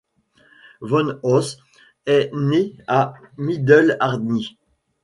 Van Os est né à Middelharnis.